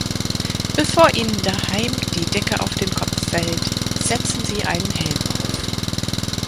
Bevor Ihnen daheim die Decke auf den Kopf fällt, setzen Sie einen Helm auf!